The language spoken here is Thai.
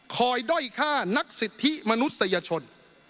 คอยด้อยฆ่านักศิษย์ที่มนุษยชน